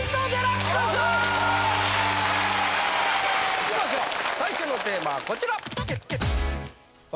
いきましょう最初のテーマはこちら！